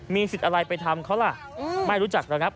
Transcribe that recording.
มีสิทธิ์อะไรไปทำเขาล่ะไม่รู้จักแล้วครับ